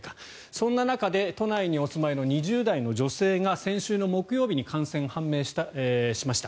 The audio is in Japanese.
そんな中で都内にお住まいの２０代の女性が先週の木曜日に感染が判明しました。